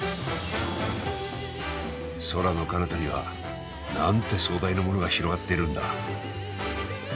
空のかなたにはなんて壮大なものが広がっているんだ。